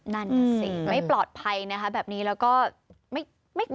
นั่นน่ะสิไม่ปลอดภัยนะคะแบบนี้แล้วก็ไม่กลัว